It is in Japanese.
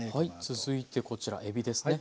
続いてこちらえびですね。